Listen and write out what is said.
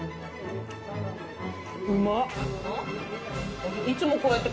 うまっ！